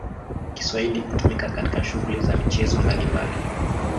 Kiswahili hutumika katika shughuli za michezo mbalimbali.